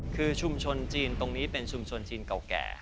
คือชุมชนจีนตรงนี้เป็นชุมชนจีนเก่าแก่